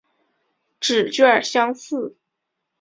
指券相似。